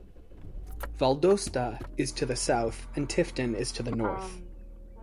Valdosta is to the south, and Tifton is to the north.